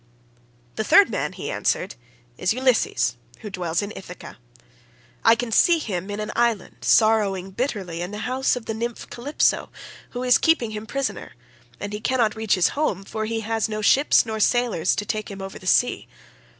"'The third man,' he answered, 'is Ulysses who dwells in Ithaca. I can see him in an island sorrowing bitterly in the house of the nymph Calypso, who is keeping him prisoner, and he cannot reach his home for he has no ships nor sailors to take him over the sea.